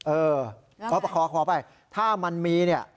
เออขออภัยถ้ามันมีเนี่ย